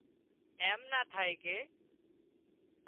ايم نا ٿائي ڪي